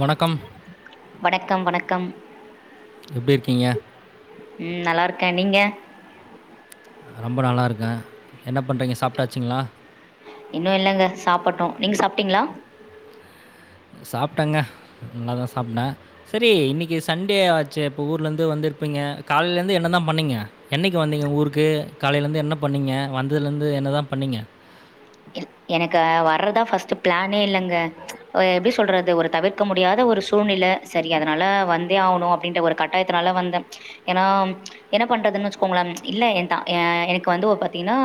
வணக்கம் வணக்கம் வணக் கம் எப்டி இருக்கீங்க கே நீங்க நா ரொம்ப நல்லாருக்கே என்ன பண்றீங்க சாப்ட்டாச்சுங்களா இன்னு இல்லங்க சாப்பட்டோ நீங்க சாப்ட்டீங்களா சாப்ட்டேங்க நல்லதா சாப்ட்டேன செரி இன்னைக்கு சண்டோயாச்சே அப்போ ஊர்ல இருந்து வந்துருப்பீங்க காலைல இருந்து என்னதா பண்ணீங்க என்னைக்கு வந்தீங்க ஊருக்கு காலைல இருந்து என்ன பண்ணீங்க வந்ததுல இருந்து என்னதா பண்ணீங்க எனக்கு வர்றதா ஃபஸ்ட் ப்ளானே இல்லங்க எப்டி சொல்றது ஒரு தவிர்க்க முடியாத ஒரு சூழ்நில செரி அதனால வந்தே ஆவணு அப்டின்ற ஒரு கட்டாயத்தினால வந்தே ஏன்னா என்ன பண்றதுன்னு வச்சுக்கோங்களே இல்ல என் த எ எனக்கு வந்து ஒ பாத்தீங்கன்னா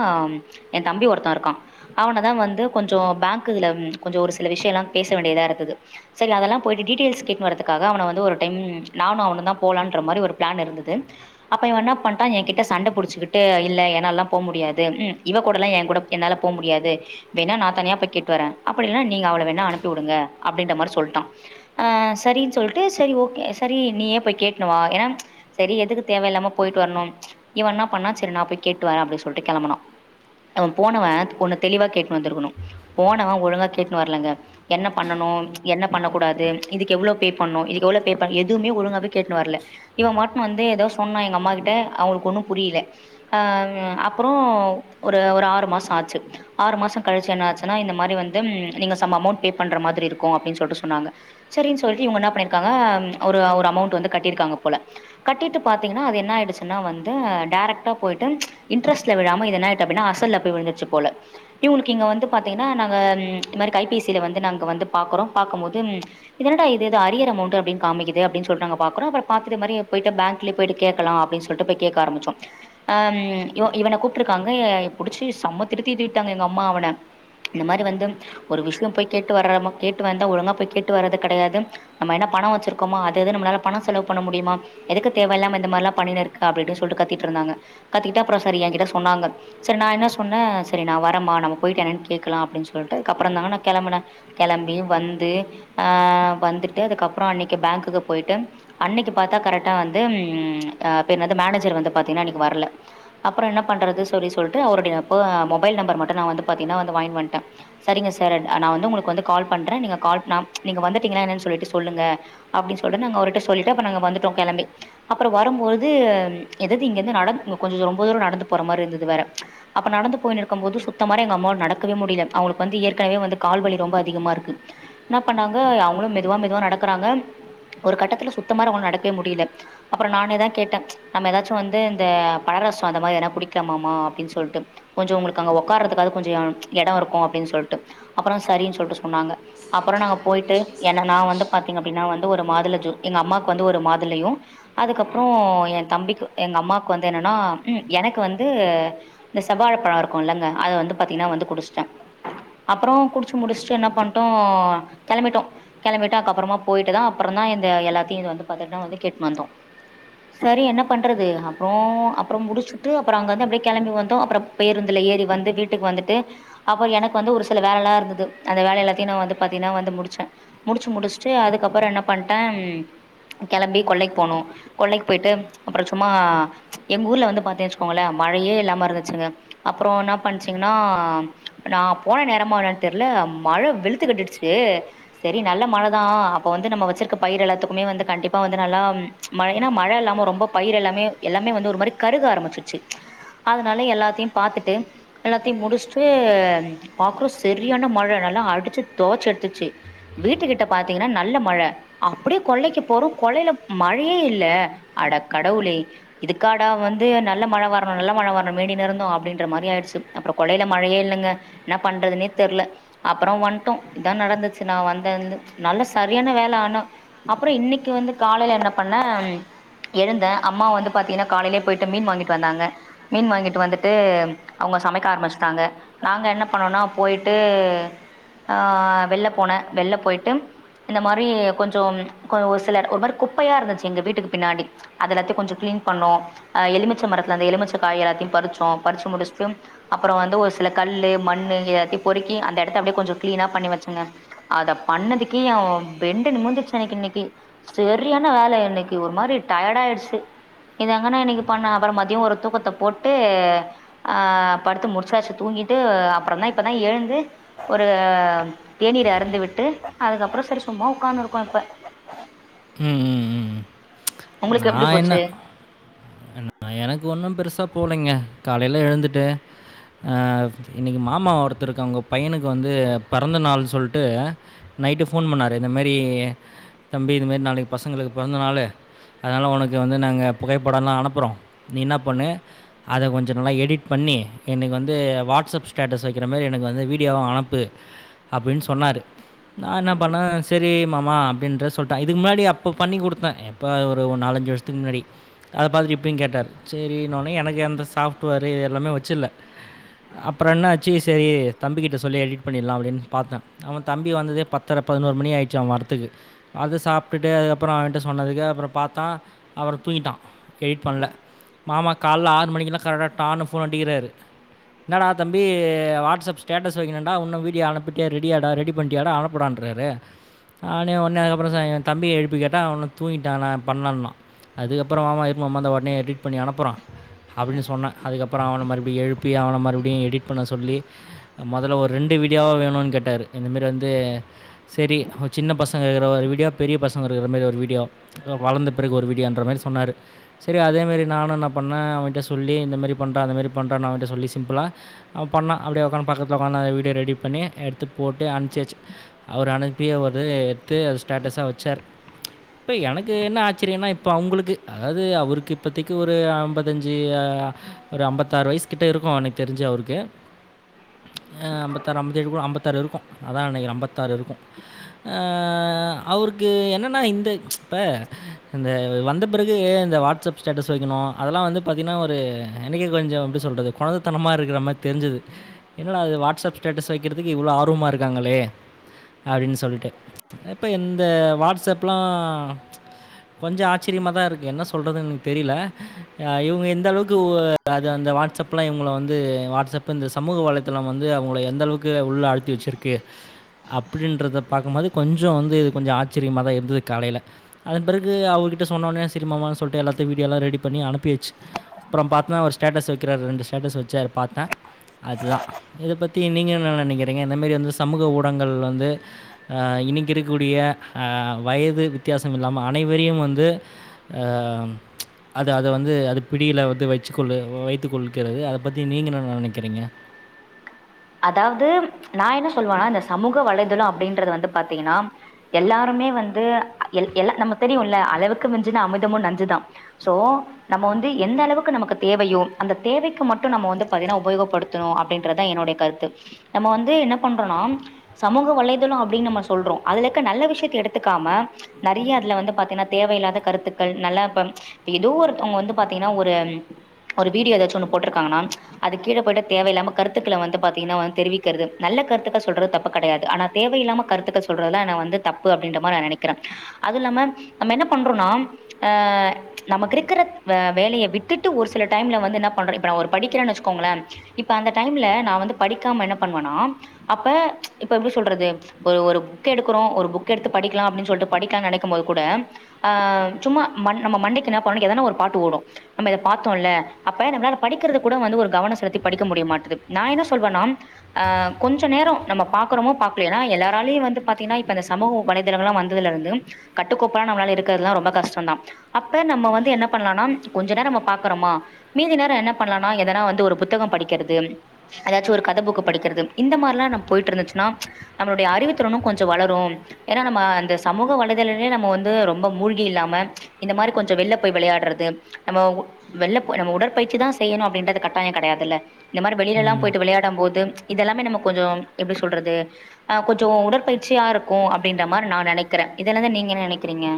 என் தம்பி ஒருத்தெ இருக்கா அவனதா வந்து கொஞ்சோ பேங்க்ல கொஞ்சோ ஒரு சில விஷயம்லா பேச வேண்டியதா இருந்தது சரி அதெல்லா போயிட்டு டீட்டெயல்ஸ் கேட்டு வரனதுக்காக அவ வந்து ஒரு டெம் நானு அவனுதா போலான்ற மாரி ஒரு ப்ளான் இருந்தது அப்ப இவ என்ன பண்டா என் கிட்ட சண்ட புடிச்சகிட்டே இல்ல என்னாலல்லா போ முடியாது ம் இவ கூடலா என் கூட என்னால போ முடியாது வேனா நா தனியா போய் கேட்டு வரே அப்டில்லனா நீங்க அவள வேனா அனுப்பி வுடுங்க அப்படின்ற மாரி சொல்ட்டா ஆ செரின் சொல்ட்டு செரி ஓகே செரி நீயே போய் கேட்னு வா ஏன்னா செரி எதுக்கு தேவையில்லாம போயிட்டு வரணும் இவன் என்னா பண்ண செரி நா போய் கேட்டுவரேன் அப்டின்னு சொல்லிட்டு கெளம்புனா அவெ போனவே ஒன்னு தெளிவா கேட்டு வந்துருக்கணும் போனவே ஒழுங்கா கேட்டுனு வரலங்க என்ன பண்ணனும் என்ன பண்ணக்கூடாது இதுக்கு எவ்வளோ பே பண்ணும் இதுக்கு எவ்ள பே எதுவுமே ஒழுங்காவே கேட்டுனு வரல இவன் மட்டும் வந்து ஏதோ சொன்னா எங்க அம்மா கிட்ட அவங்களுக்கு ஒன்னும் புரியல ஆ அப்புறோ ஒரு ஒரு ஆறு மாசம் ஆச்சு ஆறு மாசம் கழிச்சு என்ன ஆச்சுன்னா இந்த மாரி வந்து நீங்க சம் அமௌன்ட் பே பண்ற மாதிரி இருக்கும் அப்டின்னு சொல்லிட்டு சொன்னாங்க செரின் சொல்லிட்டு இவங்க என்னா பண்ணிருக்காங்க ஒரு அமௌண்ட் வந்து கட்டிருக்காங்க போல கட்டிட்டு பாத்தீங்கன்னா அது என்ன ஆயிடுச்சுன்னா வந்து டைரக்டா போயிட்டு இன்ட்ஸ்ரெட்ல விளாம இது என்ன ஆயிட்டு அப்படின்னா அசல்ல போய் விழுந்துருச்சு போல இவங்களுக்கு இங்க வந்து பாத்தீங்கன்னா நாங்க இது மாரி கைபேசில வந்து நாங்க வந்து பாக்குறோம் பாக்கும்போது இதனெடா இது இது அரியர் அமௌண்ட் அப்டின்னு காமிக்குது அப்டின்னு சொல்லிட்டு நாங்க பாக்குறோ அப்ப பாத்துட்டு மாரி போயிட்டு பேங்க்லே போயிட்டு கேக்கலா அப்டின்னு சொல்லிட்டு போய் கேக்க ஆரம்பிச்சோ அம் இவன கூப்ட்ருக்காங்க பிடிச்சு செம்ம திட்டு‌ தி காங்க எங்க அம்மா அவன இந்த மாரி வந்து ஒரு விஷயம் போய் கேட்டு வர கேட்டு வந்தா ஒழுங்கா போய் கேட்டு வர்றது கிடையாது நம்ம என்ன பணம் வச்சிருக்கோமா அதுது நம்மளால பணம் செலவு பண்ண முடியுமா எதுக்கு தேவையில்லாம இந்த மாரிலா பண்ணினு இருக்க அப்டி இப்டின் சொல்ட்டு கத்திட்ருந்தாங்க கத்திட்டு அப்புறம் சரி என் கிட்ட சொன்னாங்க சரி நா என்ன சொன்னே சரி நா வரமா நாம போயட்டு என்னன்னு கேக்கலா அப்டின்னு சொல்ட்டு அப்புறம் தாங்க நா கெளம்புனே கெளம்பி வந்து அ வந்துட்டு அதுக்கப்புறம் அன்னைக்கு பேங்க்குக்கு போயிட்டு அன்னைக்கு பாத்தா கரெக்ட்டா வந்து அ பேர் என்னது மேனேஜர் வந்து பத்தீங்கன்னா அன்னைக்கு வரல அப்புறம் என்ன பண்றது சொல்லி சொல்ட்டு அவருடைய ப மொ பைல் நம்பர் மட்டும் பாத்தீங்கன்னா வந்து வாங்கின் வன்ட்டே சரிங்க சார் நா வந்து உங்களுக்கு வந்து கால் பண்றே நீங்க கால் நா நீங்க வந்துட்டீங்கனா என்னனு சொல்லிட்டு சொல்லுங்க அப்படின்னு சொல்ட்டு நாங்க ஒரெட்டு சொல்ட்டு நாங்க வந்துட்டோம் கெளம்பி அப்புறம் வரும்போது எதது இங்கந்து நட கொஞ்ச ரொம்ப தூரம் நடந்து போற மாரி இருந்தது வேற அப்ப நடந்து போயினு க்கும்போது சுத்த மாலே எங்க அம்மாவால நடக்கவே முடியல அவங்களுக்கு வந்து ஏற்கனவே வந்து கால்வலி ரொம்ப அதிகமா இருக்கு என்ன பண்ணாங்க அவங்களும் மெதுவா மெதுவா நடக்கறாங்க ஒரு கட்டத்துல சுத்தமார அவங்கள நடக்கவே முடியல அப்புறம் நானே தா கேட்டே நம்ம ஏதாச்சும் வந்து இந்த பழரசம் அந்த மாரி எதனா குடிக்கலாமாமா அப்படின் சொல்ட்டு கொஞ்சம் உங்ளுக் க்காங்க ஒக்காரதுக்காவது கொஞ்சம் எடம் இருக்கு அப்படின் சொல்ட்டு அப்புறம் சரின்னு சொல்ட்டு சொன்னாங்க அப்புறம் நாங்க போயிட்டு என நா வந்து பாத்தீங்கன்னா அப்டின்னா ஒரு மாதுள ஜூ எங்க அம்மாக்கு வந்து ஒரு மாதுளையு அதுக்கப்புறம் என் தம்பிக்கு எங்க அம்மாவுக்கு வந்து என்னன்னா ம் எனக்கு வந்து இந்த செவ்வாழப்பழம் இருக் குல்லங்க அத வந்து பாத்தீங்கன்னா வந்து குடிச்சிட்டே அப்புறோ குடிச்சு முடிச்சுட்டு என்ன பண்ட்டோ கெளம்பிட்டோ கெளம்பிட்டு அதுக்கு அப்றமா போய்ட்டு தா அப்றந்தா இந்த எல்லாத்தையு வந்து பாத்துட்டுனா வந்து கேட்டுட்டு வந்தோ சரி என்ன பண்றது அப்புறோ அப்புறோ முடிச்சுட்டு அப்புறோ அங்க இருந்து அப்டியே கெளம்பி வந்தோ அப்றோ பேருந் துல ஏறி வந்து வீட்டுக்கு வந்துட்டு அப்புறோ எனக்கு வந்து ஒரு சில வேலைல்லா இருந்தது அந்த வேல எல்லாத்தையு நா வந்து பாத்தீங்கன்னா வந்து முடிச்சே முடிச்சு முடிச்சுட்டு அதுக்கப்புறோ என்ன பண்ட்டே கெளம்பி கொல்லைக்கு போனோ கொல்லைக்கு போயிட்டு அப்புறம் சும்மா எங்க ஊர்ல வந்து பாத்தீங் வச்சுக்கோங்களே மழையே இல்லாம இருந்துச்சுங்க அப்புறோ என்னா பண்ச்சுங்கன்னா நா போன நேரமா என்னன்னு தெர்ல மழ வெளுத்துக்கட்டிடுச்சு சரி நல்ல மழ தா அப்போ வந்து நம்ம வச்சிருக்க பயிர் எல்லாத்துக்குமே வந்து கண்டிப்பா வந்து நல்லா மழ ஏன்னா மழ இல்லாம ரொம்ப பயிர் எல்லாமே எல்லாமே வந்து ஒரு மாரி கருக ஆரம்பிச்சிச்சு அதனால எல்லாத்தையும் பாத்துட்டு எல்லாத்தையும் முடிச்சுட்டு பாக்குறோ சரியான மழ நல்லா அடிச்சு தொவச்சு எடுத்துருச்சு வீட்டு கிட்ட பாத்தீங்கன்னா நல்ல மழ அப்படியே கொல்லைக்கு போறோ கொல்லைல மழையே இல்ல அட கடவுளே இதுக்காடா வந்து நல்ல மழ வரணு நல்ல மழ வரணுன் வேண்டினுருந்தோ அ அப்படின்ற மாரி ஆயிடுச்சு அப்பறம் கொல்லைல மழையே இல்லங்க என்னா பண்றதுனே தெரில அப்பறம் வன்டோம் இதா நடந்துச்சு நா வந்தலருந்து நல்ல சரியான வேல ஆனா அப்பறோ இன்னைக்கு வந்து காலைல என்ன பண்ணே எழுந்தே அம்மா வந்து பாத்தீங்கன்னா காலையிலயே போய்ட்டு மீன் வாங்கிட்டு வந்தாங்க மீன் வாங்கிட்டு வந்து டு அவங்க சமைக்க ஆரம்பிச்டாங்க நாங்க என்ன பண்ணோனா போய்ட்டு ஆ வெள்ல போனே வெள்ல போயிட்டு இந்த மாரி கொஞ்சம் ஒரு சில ஒரு மாறி குப்பையா இருந்துச்சு எங்க வீட்டுக்கு பின்னாடி அது எல்லாத்தையு கொஞ்ச கிளீன் பண்ணோம் அ எலுமிச்ச மரத்துல அந்த எலுமிச்ச காய் எல்லாத்தயு பறிச்சு ப்றோ படிச்சு முடிச்சுட்டு அப்பறோ வந்து ஒரு சில கல்லு மண்ணு எயாத்தியு பொறுக்கி அந்த எடத்த அப்டே கொஞ்சோ க்ளீன்னா பண்ணி வெச்சங்க அத பண்ணதிக்கி எ பெண்டு நிமிந்துச்சு எனக்கு இன்னிக்கி செரியான வேல இன்னிக்கு ஒரு மாரி டயர்டா ஆயிடுச்சு இதெங்க நா இன்னிக்கு பண்ண அப்பற மதியோ ஒரு தூக்கத்த போட்டு யே ஆ படுத்து முடிச்சச்சு தூங்கிட்டு அப்பறந்தா இப்பதா எழுந்து ஒரு தேநீர் அருந்து விட்டு அதுக்கப்பறோ செரி சும்மா உக்கான்னு இருக்கோ இப்ப ம் உங்குளுக் எப்டி நான் போச்சு என்ன நான் எனக்கு ஒண்ணு பெருசா போலைங்க காலைல எழுந்துட்டு ஆவ் இன்னிக்கி மாமா ஒருத்தருக்கு அவுங்க பையனுக்கு வந்து பறந்த நாள் சொல்ட்டு நைட்டு ஃபோன் பண்ணாரு இந்தமாரி தம்பி இதுமாரி நாளைக்கு பசங்குளுக்கு பிறந்த நாளு அதனால ஒனக்கு வந்து நாங்க புகைப்படோலா அனுப்பறோ நீ என்னா பண்ணு அத கொஞ்சோ நல்லா எடிட் பண்ணி என்க்கு வந்து வாட்ஸ்அப் ஸ்டேட்டஸ் வெக்கிற மாரி எனக்கு வந்து வீடியோவா அனப்பு அப்பின் சொன்னாரு நா என்னா பண்ணே செரி மாமா அப்டின்ற சொல்ட்டே இதுக்கு முன்னாடி அப்போ பண்ணி குடுத்தே எப்போ அது ஒரு ஒ நாலஞ்சு வர்ஷத்துக்கு முன்னாடி அத பாத்துட்டு இப்பயு கேட்டாரு செரினோனே எனக்கு எந்த சாஃப்ட்வேரு இது எல்லாமே வச்சில்ல அப்பற என்னாச்சு செரி தம்பிக்கிட்ட சொல்லி எடிட் பண்ணில்லா அப்டின் பாத்தே அவ தம்பி வந்ததே பத்தர பதினோரு மணி ஆயிடுச்சு அவ வரத்துக்கு அது சாப்ட்டுட்டு அது அப்பறோ அவன்ட்ட சொன்னதுக்கு அப்பறோ பாத்தா அவறோ தூங்கிட்டா எடிட் பண்ல மாமா காலைல ஆறு மணிக்குலா கரெக் டான்னு ஃபோன் அட்டக்கிறாரு என்னடா தம்பி வாட்ஸ்அப் ஸ்டேட்டஸ் வைங்கினுன்டா ஒன்னும் வீடியோ அனுப்பிட்டிய ரெடியடா ரெடி பண்ணிட்டியாடா அனுப்படான்றாரு ஆனே உனே அதுக்கப்புறம் என் தம்பியை எழுப்பி கேட்டால் அவன்னும் தூங்கிட்டான் நான் பண்ணலன்னான் அதுக்கப்புறம் மாமா இருக்கும் மாமா அந்த உடனே எடிட் பண்ணி அனுப்புறோ அப்பிடின் சொன்னே அதுக்கப்பற அவன மறுப்படியு எழுப்பி அவன மறுப்படியு எடிட் பண்ண சொல்லி மொதல்ல ஒரு ரெண்டு வீடியோவா வேணுனு கேட்டாரு இந்தமாரி வந்து செரி ஒ சின்ன பசங்க இருக்கிற ஒரு வீடியோ பெரிய பசங்க இருக்கிற மாரி ஒரு வீடியோ வளர்ந்த பிறகு ஒரு வீடியோன்ற மாரி சொன்னாரு செரி அதேமாரி நானு என்ன பண்ணே அவன்ட்ட சொல்லி இந்தமாரி பண்றா அந்தமாரி பண்றான அவன்கிட்ட சொல்லி சிம்பிளா அவ பண்ணா அப்டே உக்காந்து பக்கத்துல உக்காந்து அந் வீடியோ ரெடி பண்ணி எடுத்து போட்டு அனுப்சாச்சு அவர அனுப்பி அவர்து எத்து அத ஸ்டேட்டஸா வெச்சாரு ச்ச இப்ப எனக்கு என்ன ஆச்சிரியன்னா ப அவுங்குளுக்கு அதாது அவுருக்கு திக்கு ஒரு அம்பத்தஞ்சு ஆ ஒரு அம்பத்தாறு வஸ்சு கிட்ட இருக்கோ எனக் தெரிஞ்சு அவுருக்கு ச்ச ஆ அம்பத்தாறு அம்பத்தேழு கூட அம்பத்தாறு இருக்கோ அதா நெனக்கிறே தாரு இருக்கோ ஆ அவுருக்கு என்ன நா இந்த ச்ச இப்ப இந்த வந்த பிறகு இந்த வாட்ஸ்அப் ஸ்டேட்டஸ் வெக்கணோ அதெல்லா வந்து பாத்தீங்கனா ஒரு என்க்கே கொஞ்சோ எப்டி சொல்றது கொழந்தத்தனமா இருக்கிற மாரி தெரிஞ்சது என்னட அது வாட்ஸ்அப் ஸ்டேட்டஸ் வெக்கிற்துக்கு இவ்ளோ ஆர்வமா இருக்காங்களே அப்டின் சொல்ட்டு ஆ இப்ப எந்த வாட்ஸ்அப்லா ச்ச கொஞ்ச ஆச்சிரியமாதா இருக்கு என்ன சொல்றதுன் தெரில ஆ இவுங்க எந்த அளவுக்கு ஓ அது அந்த வாட்ஸ்அப்லா இவுங்குள வந்து வாட்ஸ்அப் இந்த சமூக வலைத்தலம் வந்து அவுங்குள எந்தளவுக்கு உள்ள அழுத்தி வெச்சிருக்கு அப்டின்றத பாக்கம்போது கொஞ்சோ வந்து இது கொஞ்ச ஆச்சிரியமாதா இருந்தது காலைல அதன் பிறகு அவுருகிட்ட சொன்னோனே செரி மாமா சொல்ட்டு எல்லாத் த வீடியோலா ரெடி பண்ணி அனுப்பியாச்சு அப்புறம் பாத்னா ஒரு ஸ்டேட்டஸ் வெ கிறார் ரெண்டு ஸ்டேட்டஸ் வெச்சாரு பாத்தே அதுதா இத பத்தி நீங்க என்ன நெனக்கிறீங்க இந்தமாரி வந்து சமூக ஊடங்கங்கள் வந்து ஆ இன்னிக்கி இருக்கூடிய ஆ வயது வித்தியாசம் இல்லாம அனைவரையு வந்து ஆ அம் ச்ச அது அத வந்து அது பிடில வந்து வெச்சுகொள்ளு வ வைத்து கொள்கிறது அத பத்தி நீங்க என்ன நெ நெனைக்கிறீங்க அதாவ்து ச்ச நா என்ன சொல்வானா இந்த சமூக வலைதளோ அப்டின்றது வந்து பாத்தீங்கனா எல்லாருமே வந்து அ எல் எல்லா நம்ம தெரியுல அளவுக்கு மிஞ்சுனா அமிர்தமு நஞ்சுதா சோ நம்ம வந்து எந்த அளவுக்கு நமக்கு தேவையோ அந்த தேவைக்கு மட்டு நம்ம வந்து பாத்தீங்னா உபயோகப்படுத்துணு அப்டின்றதா என்னுடைய கர்து நம்ம வந்து என்னா பண்றோனா சமூக வலைதளோ அப்டின் நம்ம சொல்றோ அதுல இருக்க நல்ல விஷயத்த எடுத்துக்காம ச்ச நெறைய அதுல வந்து பாத்தீங்னா தேவையில்லாத கருத்துக்கள் நல்லா இப்பம் ச்ச இப் ஏதோ ஒருத்தௌங் அவுங்க வந்து பாத்தீங்னா ஒரு ம் ஒரு வீடியோ எதாச்சு ஒன்னு போட்டுருக்காங்கனா ச்ச அது கீழ போயிட்டு தேவையில்லா கருத்துக்கள வந்து பாத் டின்னுவோ தெரிவிக்கறது நல்ல கருத்துக்கள் சொல்றது தப்பு கெடையாது ஆனா தேவையில்லாம கருத்துக்கள் சொல்றதுதா நா வந்து தப்பு அப்டின்ற மாரி நா நெனைக்கிறே அதுவு இல்லாம நாம என்ன பண்றோனா ஆ ச்ச நமக்கிருக்கிறத் வே வேலையை விட்டுட்டு ஒரு சில டைம்ல வந்து என்ன பண்றோ இப்ப நா ஒரு படிக்கிறேனு வெச்சுக்கோங்களே இப்ப அந்த டைம்ல நா வந்து படிக்காம என்ன பண்வனாம் அப்ப ச்ச இப்ப எப்டி சொல்றது ஒரு ஒரு புக்க எடுக்குறோ ஒரு புக்க எடுத்து படிக்லான் அப்டின் சொல்ட்டு படிக்கலா நெனைக்கும் போது கூட ஆ சும்மா மண் நம்ம மண்டைக்கு என்ன பொரணிக் எதனா ஒரு பாட்டு ஓடோ நம்ம இத பாத்தோல அப்ப நம்ளால, படிக்கிறது கூட வந்து ஒரு கவனோ செலுத்தி படிக்க முடிய மாட்டுது நா என்ன சொல்வனாம் ஆ கொஞ்ச நேரோ நம்ம பாக்கறமோ பாக்லையோ ஏனா எல்லாராலயு வந்து பாத்தீங்னா இப்ப இந்த சமூக வலைதளங்கள்லா வந்ததுல இருந்து கட்டுக்கோப்ப நம்ளால இருக்கிறதுல்லா ரொம்ப கஷ்டோந்தா அப்ப நம்ம வந்து என்ன பண்லானாம் கொஞ்ச நேரம் நம்ம பாக்கறோமா மீதி நேரம் என்ன பண்லானா எதனா வந்து ஒரு புத்தகம் படிக்கிறது எதாச்சு ஒரு கத புக்க படிக்கிறது இந்த மார்லா நம் போயிட்டுருந்துச்சுனா ச்ச நம்மளுடைய அறிவுத்திறனு கொஞ்சோ வளரோ ஏனா நம்ம அந்த சமூக வலைதலைலயே நம்ம வந்து ரொம்ப மூழ்கி இல்லாம ச்ச இந்த மாரி கொஞ்சோ வெள்ல போயி விளையாட்றது நம்மவு வெள்ல போ நம்ம உடற்பயிற்சிதா செய்யணு அப்டின்றது கட்டாய கெடையாதுல்ல இந்த மாரி வெளிலெல்லா ம். போயிட்டு விளையாடம் போது ச்ச இதெல்லாமே நம்ம கொஞ்சோ எப்டி சொல்றது அ கொஞ்சோ உடற்பயிற்சியா இருக்கோ அப்டின்ற மாரி நா நெனைக்கிறே இதுதல்லந்து நீங்க என்ன நெனைக்கிறீங்க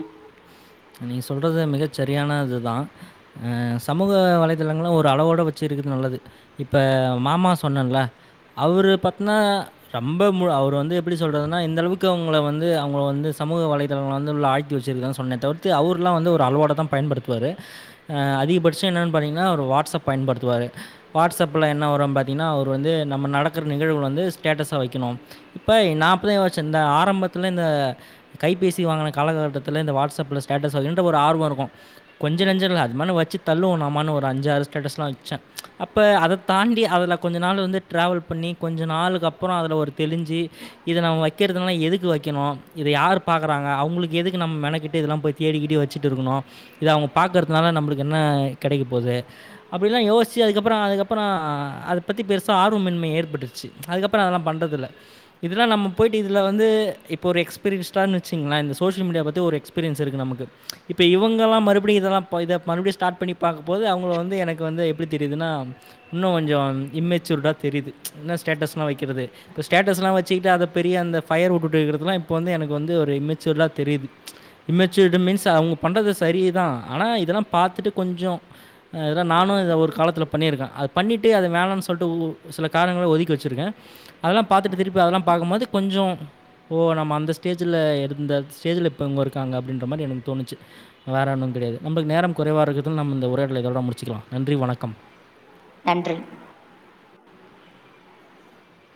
நீ சொல்றது மிகச்செரியானதுதா ஆ சமூக வலைதளங்களு ஒரு அளவோட வச்சு இருக்குது நல்லது இப்ப மாமா சொன்னல்ல அவரு பாத்னா ரொம்ப மு அவரு வந்து எப்பிடி சொல்றதுனா இந்தளவுக்கு அவுங்கள வந்து அவுங்கள வந்து சமூக வலைதளங்களா வந்து உள்ள ஆழ்த்தி வச்சுருக்குது அதா சொன்னே தவிர் து அவுர்லா வந்து ஒரு அளவோடுதா பயன்படுத்துவாரு ஆ அதிகபட்சோ என்னான் பாத்தீங்னா அவரு வாட்ஸ்அப் பயன்படுத்துவாரு வாட்ஸப்ல என்ன வரும் பாத்தீங்னா அவர் வந்து நம்ம நட க்குற நிகழ்வு வந்து ஸ்டேட்டஸா வெக்கணு இப்ப நா அப்டிதா யோசிச்ச இந்த ஆரம்பத்துல இந்த கைப்பேசி வாங்குன காலக்கட்டத்துல இந்த வாட்ஸப்ல ஸ் டேட்டஸ் வெக்ணுன்ட்டு ஒரு ஆர்வொ இருக்கு கொஞ்ச நஞ்சொ இல்ல அது மேல வச்சு தள்ளுவோ ந ம ஒ ரு அஞ்சாறு ஸ்டேஸ்லா வெக் ச அப்ப அதத் தாண்டி அதுல கொஞ்ச நாளு வந்து ட்ராவல் பண்ணி கொஞ்ச நாளுக்கப்பறொ அதுல ஒரு தெளிஞ்சி இத நம்ம வக்கிறதுல்லா எதுக்கு வெக்கணு இத யார் பாக்குறாங்க அவ்ங்களுக்கு எதுக்கு நம்ம மெனக்கெட்டு இதெல்லாம் போய் தேடி கீடி வச்சுட்டு இருக்கணு இத அவங்க பாக்குறத்னால நம்ளுக்கு என்ன கெடைக்க போது அப்டிலா யோஸ்சி அதுக்கப்பறொ அதுக்கப்பறொ அத பத்தி பெருசா ஆர்வமின்மை ஏற்பட்ருச்சு அதுக்கப்பறொ அதெல்லா பண்றதில்ல இதுல்லா நம்ம போய்ட்டு இதுல வந்து இப்ப ஒரு எக்ஸ்பீரியன்ஸ்டான் வச்சுங்கள சோஷியல் மீடியா பத்தி ஒரு எக்ஸ்பீரியன் ஸ் இருக்கு நமக்கு இப்ப இவங்கல்லா மறுப்படி இதெல்லா ப இத பறுப்டியு ஸ்டாட் பண்ணிப் பாக்கும்போது அவங்கள வந்து எனக்கு வந்து எப்டி தெரிதுன்னா இன்னு கொஞ்சொ இம்மேச்சூர்டா தெரிது இன்னு ஸ்டேட்டஸ்லா வெக்கிறது இப்ப ஸ்டேட்டஸ்லா வெச்சுக்கிட்டு அத பெரிய அந்த ஃபயர் உட்டுட்டு இருக்குறதுலா இப் இப்போ வந்து எனக்கு வந்து ஒரு இம்மெச்சூர்லா தெரியுது இம்மெச்சூர்டு மீன்ஸ் அவங்க பண்ணுறது சரிதான். ஆனா, இதெல்லாம் பாத்துட்டு கொஞ்சம் இதெல்லா நானும் இத ஒரு காலத்துல பண்ணியிருக்கேன் அ பண்ணிட்டு அதை வேணான்னு சொல்லிட்டு ஓரு சில காரணங்களால் ஒதுக்கி வச்சுருக்கேன் அதெல்லாம் பார்த்துட்டு திருப்பி அதெல்லாம் பாக்கும் போது கொஞ்சம் ஓ நம்ம அந்த ஸ்டேஜில் இருந்த ஸ்டேஜில் இப்போவங்க இரு அப்படின்ற மாதிரி எனக்கு தோணுச்சு வேற ஒன்னும் கிடையாது நம்பளுக் நேரம் குறைவாக இருக்கிறத இந்த உரையாடலை இதோட முடிச்சுக்கலாம் நன்றி வணக்கம் நன்றி